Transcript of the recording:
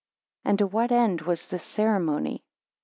10 And to what end was this ceremony?